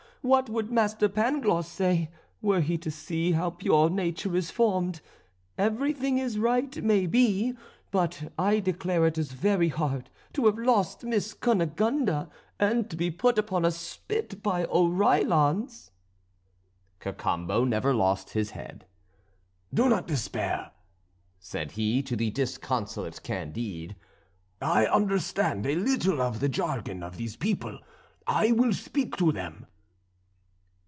what would Master Pangloss say, were he to see how pure nature is formed? Everything is right, may be, but I declare it is very hard to have lost Miss Cunegonde and to be put upon a spit by Oreillons." Cacambo never lost his head. "Do not despair," said he to the disconsolate Candide, "I understand a little of the jargon of these people, I will speak to them."